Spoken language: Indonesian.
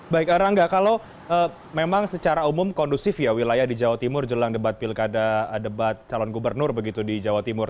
baik rangga kalau memang secara umum kondusif ya wilayah di jawa timur jelang debat pilkada debat calon gubernur begitu di jawa timur